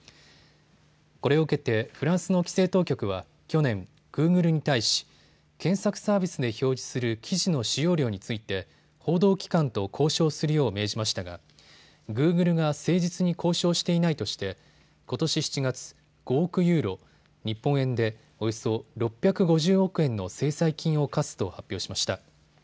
これを受けてフランスの規制当局は去年、グーグルに対し検索サービスで表示する記事の使用料について報道機関と交渉するよう命じましたがグーグルが誠実に交渉していないとしてことし７月、５億ユーロ、日本円で、およそ６５０億円の制裁金を科すと発表しました。